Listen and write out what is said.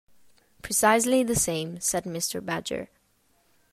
"Precisely the same," said Mr. Badger.